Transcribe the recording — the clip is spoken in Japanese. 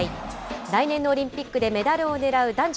来年のオリンピックでメダルをねらう男女